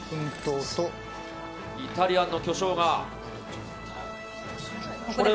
イタリアンの巨匠が。